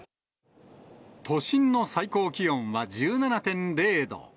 都心の最高気温は１７．０度。